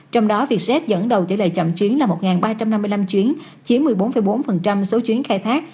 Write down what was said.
trong đó vietjet dẫn đầu tỷ lệ chậm chuyến là một ba trăm năm mươi năm chuyến chiếm một mươi bốn bốn số chuyến khai thác